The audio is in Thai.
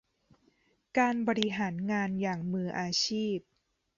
การบริหารงานอย่างมืออาชีพ